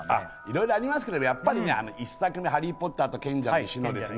色々ありますけれどもやっぱりねあの１作目「ハリー・ポッターと賢者の石」のですね